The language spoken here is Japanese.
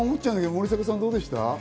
森迫さん、どうでした？